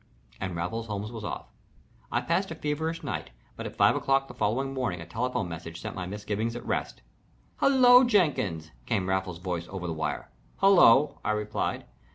And Raffles Holmes was off. I passed a feverish night, but at five o'clock the following morning a telephone message set all my misgivings at rest. "Hello, Jenkins!" came Raffles's voice over the wire. "Hello," I replied.